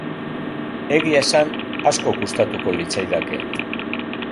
Egia esan, asko gustatuko litzaidake.